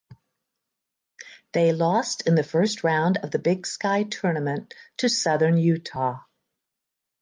They lost in the first round of the Big Sky Tournament to Southern Utah.